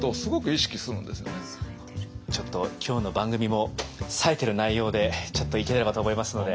ちょっと今日の番組も冴えてる内容でちょっといければと思いますので。